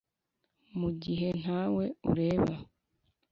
mu gihe ntawe ureba.